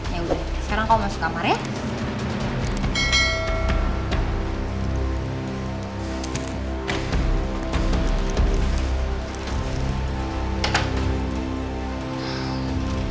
ya udah sekarang kamu masuk kamar ya